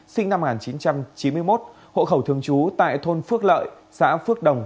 sinh năm một nghìn chín trăm chín mươi một hộ khẩu thường trú tại thôn phước lợi xã phước đồng